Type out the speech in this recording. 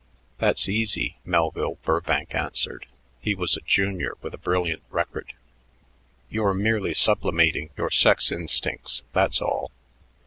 "That's easy,"' Melville Burbank answered. He was a junior with a brilliant record. "You're merely sublimating your sex instincts, that's all.